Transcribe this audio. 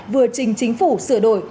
vừa trình chính phủ sửa đổi